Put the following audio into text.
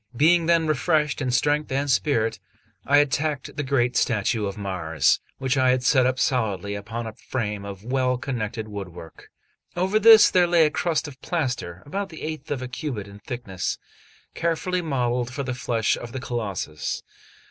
Being then refreshed in strength and spirits, I attacked the great statue of Mars, which I had set up solidly upon a frame of well connected woodwork. Over this there lay a crust of plaster, about the eighth of a cubit in thickness, carefully modelled for the flesh of the Colossus.